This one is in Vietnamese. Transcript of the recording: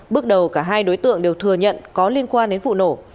bước đầu cả hai đối tượng đều thừa nhận có liên quan đến vụ nổ